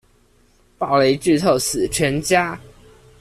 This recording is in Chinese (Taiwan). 暴雷劇透死全家